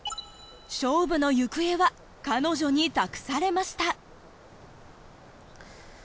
勝負の行方は彼女に託されました。